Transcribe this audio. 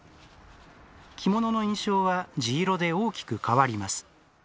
着物の印象は地色で大きく変わります。